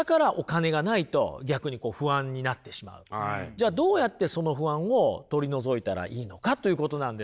じゃあどうやってその不安を取り除いたらいいのかということなんですよ。